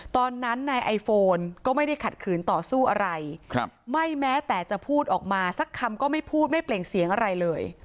ตอนนั้นนายไอโฟนก็ไม่ได้ขัดขืนต่อสู้อะไรไม่แม้แต่จะพูดออกมาสักคำก็ไม่พูดไม่เปล่งเสียงอะไรเลย